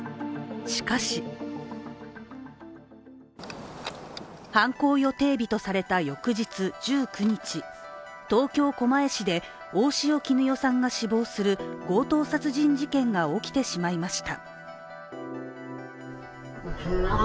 しかし犯行予定日とされた翌日１９日東京・狛江市で大塩衣与さんが死亡する強盗殺人事件が起きてしまいました。